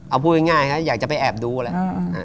เอาพูดง่ายอยากจะไปแอบดูแหละ